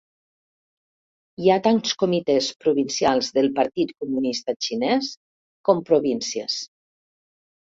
Hi ha tants comitès provincials del Partit Comunista Xinès com províncies.